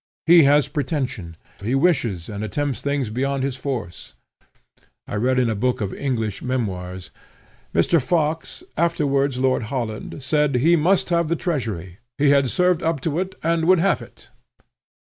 He has pretension; he wishes and attempts things beyond his force. I read in a book of English memoirs, "Mr. Fox (afterwards Lord Holland) said, he must have the Treasury; he had served up to it, and would have it."